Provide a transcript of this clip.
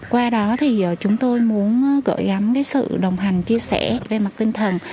qua đó thì chúng tôi muốn gửi gắm cái sự đồng hành chia sẻ về mặt tinh thần